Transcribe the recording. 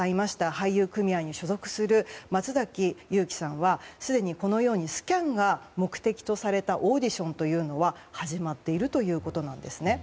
俳優組合に所属する松崎悠希さんはすでに、このようにスキャンが目的とされたオーディションというのは始まっているということなんです。